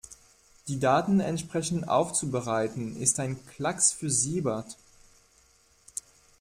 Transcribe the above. Die Daten entsprechend aufzubereiten, ist ein Klacks für Siebert.